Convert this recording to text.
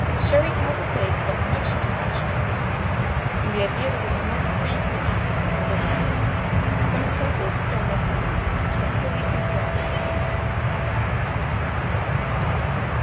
Sherry has of late got much into fashion in England, from the idea that it is more free from acid than other wines; but some careful experiments on wines do not fully confirm this opinion.